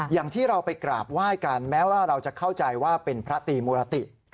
อย่างที่เราไปกราบไหว้กันแม้ว่าเราจะเข้าใจว่าเป็นพระตีมุรติ